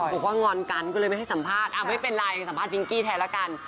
บอกว่างอนกันก็เลยไม่ให้สัมภาษณ์ไม่เป็นไรสัมภาษพิงกี้แทนละกัน